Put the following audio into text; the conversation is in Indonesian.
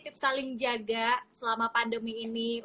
tips saling jaga selama pandemi ini